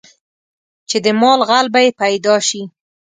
چې د مال غل به یې پیدا شي.